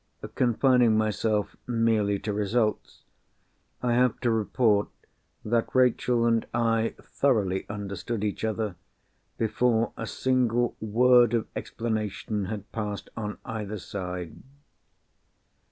Confining myself merely to results, I have to report that Rachel and I thoroughly understood each other, before a single word of explanation had passed on either side.